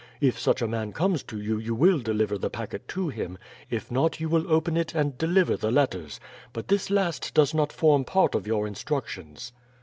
If such a man comes to you you will deliver the packet to him, if not you will open it and deliver the letters. But this last does not form part of your instructions.